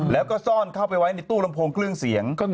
แล้วก็ซ่อนเข้าไปไว้ในตู้ลำโพงเครื่องเสียง